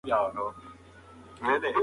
لمر د سیارو ترمنځ د توازن ساتونکی دی.